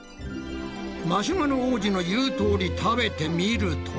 マシュマロ王子の言うとおり食べてみると。